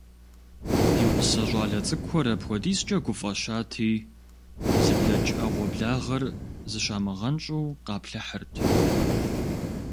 Ди гъусэ щIалэ цIыкIухэр апхуэдизкIэ гуфIэщати, дызыблэкI Iэгъуэблагъэр, зыщамыгъэнщIу, къаплъыхьырт.